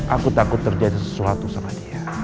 aku takut terjadi sesuatu sama dia